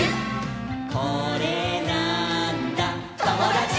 「これなーんだ『ともだち！』」